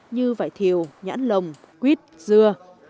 như vải thiều nhãn lồng quyết dưa